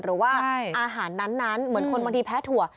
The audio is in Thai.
หรือว่าอาหารนั้นเหมือนคนบางทีแพ้ถั่ว